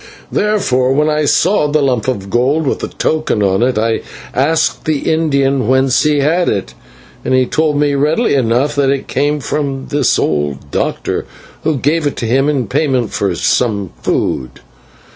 "Therefore, when I saw the lump of gold with the token on it, I asked the Indian whence he had it, and he told me readily enough that it came from this old doctor, who gave it to him in payment for some food.